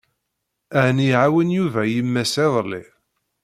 Ɛni iɛawen Yuba yemma-s iḍelli?